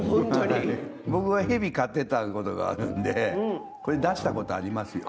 僕はヘビ飼ってたことがあるんでこれ出したことありますよ。